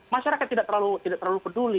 masyarakat tidak terlalu peduli